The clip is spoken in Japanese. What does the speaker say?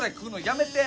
やめて。